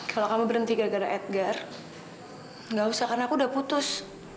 kalau kamu berhenti gara gara edgar nggak usah karena aku udah putus